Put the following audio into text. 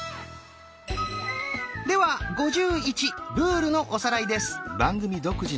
では「５１」ルールのおさらいです。